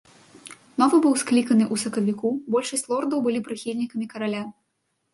Новы быў скліканы ў сакавіку, большасць з лордаў былі прыхільнікамі караля.